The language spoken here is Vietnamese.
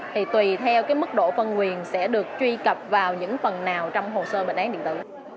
thì tùy theo cái mức độ phân quyền sẽ được truy cập vào những phần nào trong hồ sơ bệnh án điện tử